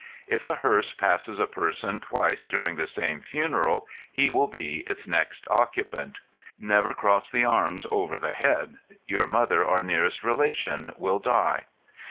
If a hearse passes a person twice during the same funeral, he will be its next occupant. Never cross the arms over the head; your mother or nearest relation will die.